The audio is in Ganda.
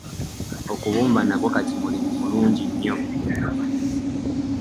Okubumba nagwo kati mulimu mulungi nnyo.